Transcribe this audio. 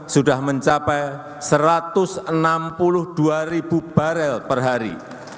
sudah mencapai satu ratus enam puluh dua ribu barel per hari